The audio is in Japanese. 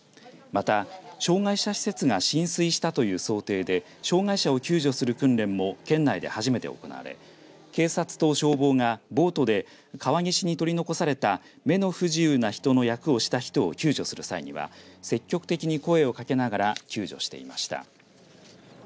また、障害者施設が浸水したという想定で障害者を救助する訓練も県内で初めて行われ警察と消防がボートで川岸に取り残された目の不自由な人の役をした人を救助する際には積極的に声をかけながら救助していました。